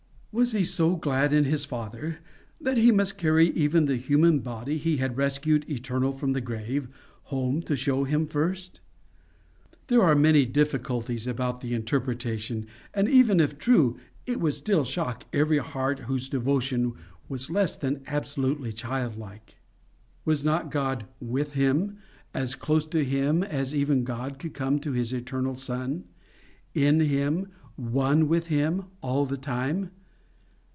Was he so glad in his father, that he must carry even the human body he had rescued eternal from the grave, home to show him first? There are many difficulties about the interpretation, and even if true, it would still shock every heart whose devotion was less than absolutely child like. Was not God WITH him, as close to him as even God could come to his eternal son in him ONE with him, all the time?